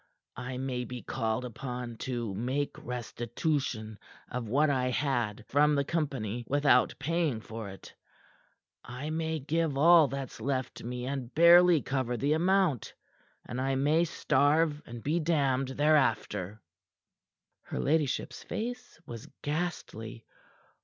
I may be called upon to make restitution of what I had from the company without paying for it I may give all that's left me and barely cover the amount, and I may starve and be damned thereafter." Her ladyship's face was ghastly.